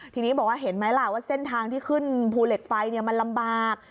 ทีนี้บอกว่าเห็นไหมล่ะว่าเส้นทางที่ขึ้นภูเหล็กไฟมันลำบาก